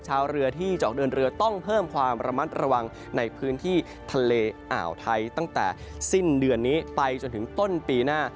ชาวเรือที่จะออกเดินเรือต้องเพิ่มความระมัดระวังในพื้นที่ทะเลอ่าวไทยตั้งแต่สิ้นเดือนนี้ไปจนถึงต้นปีหน้า